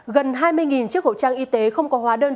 gần hai mươi chiếc hộ trang y tế không có hóa đơn chứng